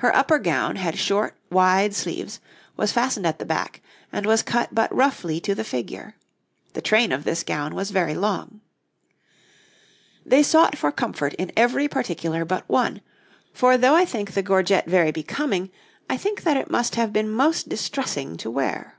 Her upper gown had short, wide sleeves, was fastened at the back, and was cut but roughly to the figure. The train of this gown was very long. They sought for comfort in every particular but one: for though I think the gorget very becoming, I think that it must have been most distressing to wear.